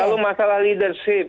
kalau masalah leadership